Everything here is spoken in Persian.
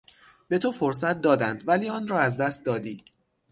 به تو فرصت دادند ولی آن را از دست دادی.